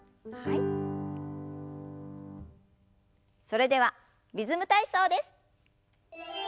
それでは「リズム体操」です。